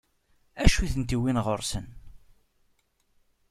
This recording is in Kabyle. D acu i tent-iwwin ɣur-sen?